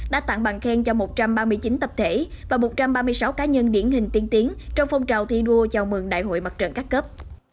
đã tặng bằng khen cho một trăm ba mươi chín tập thể và một trăm ba mươi sáu cá nhân điển hình tiên tiến trong phong trào thi đua chào mừng đại hội mặt trận các cấp